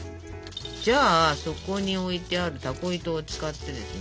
じゃあそこに置いてあるタコ糸を使ってですね。